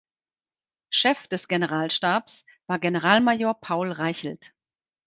Chef des Generalstabs war Generalmajor Paul Reichelt.